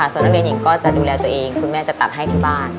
ส่วนนักเรียนหญิงก็จะดูแลตัวเองคุณแม่จะตัดให้ที่บ้าน